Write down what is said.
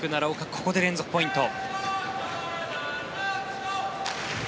ここで連続ポイント。